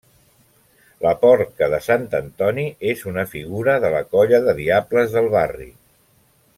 La Porca de Sant Antoni és una figura de la colla de diables del barri.